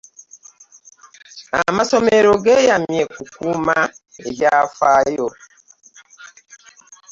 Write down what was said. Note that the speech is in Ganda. Amasomero geyamye kukukuuma ebyafaayo.